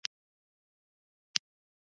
مصنوعي ځیرکتیا د دروغو پېژندل ستونزمنوي.